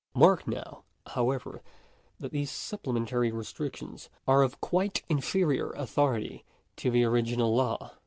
Mark now, however, that these supplementary restrictions are of quite inferior authority to the original law.